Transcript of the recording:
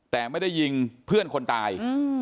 แต่ไม่ได้ยิงเพื่อนคนตาย